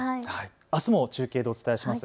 あすも中継でお伝えします。